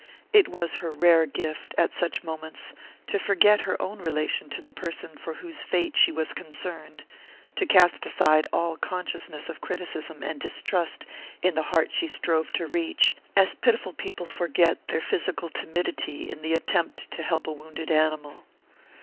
It was her rare gift, at such moments, to forget her own relation to the person for whose fate she was concerned, to cast aside all consciousness of criticism and distrust in the heart she strove to reach, as pitiful people forget their physical timidity in the attempt to help a wounded animal.